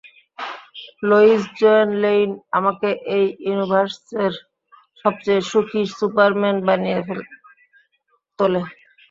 Lois Joanne Lane, আমাকে এই ইউনিভার্সের সবচেয়ে সুখী সুপারম্যান বানিয়ে তোলো।